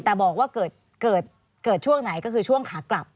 แต่บอกว่าเกิดช่วงไหนก็คือช่วงขากลับ